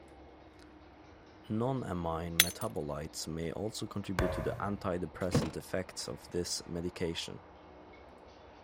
Non-amine metabolites may also contribute to the antidepressant effects of this medication.